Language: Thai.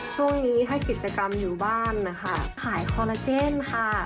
ช่วงนี้ถ้ากิจกรรมอยู่บ้านนะคะขายคอลลาเจนค่ะ